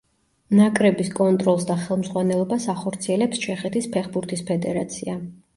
ნაკრების კონტროლს და ხელმძღვანელობას ახორციელებს ჩეხეთის ფეხბურთის ასოციაცია.